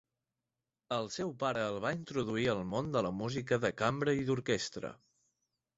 El seu pare el va introduir al món de la música de cambra i d'orquestra.